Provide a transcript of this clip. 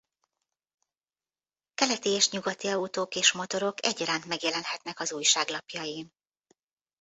Keleti és nyugati autók és motorok egyaránt megjelenhetnek az újság lapjain.